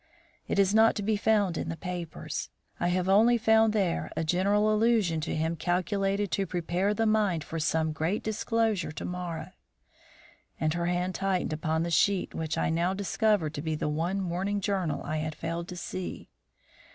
It is not to be found in the papers. I have only found there a general allusion to him calculated to prepare the mind for some great disclosure to morrow " And her hand tightened upon the sheet which I now discovered to be the one morning journal I had failed to see.